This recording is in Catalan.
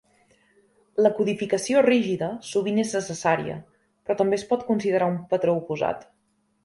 La codificació rígida sovint és necessària, però també es pot considerar un patró oposat.